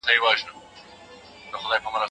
درناوی باید د زړه له مخې وي.